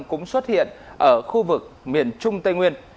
cũng xuất hiện ở khu vực miền trung tây nguyên